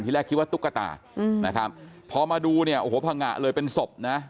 แรกคิดว่าตุ๊กตานะครับพอมาดูเนี่ยโอ้โหพังงะเลยเป็นศพนะ